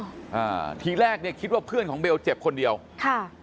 อ่าทีแรกเนี้ยคิดว่าเพื่อนของเบลเจ็บคนเดียวค่ะ